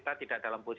tapi kewenangan itu ada